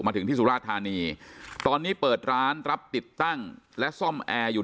ถึงที่สุราธานีตอนนี้เปิดร้านรับติดตั้งและซ่อมแอร์อยู่